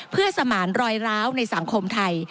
เพื่อสมานรอยร้าวในสังคมไทย